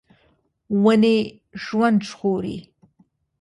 ونې ژوند ژغوري.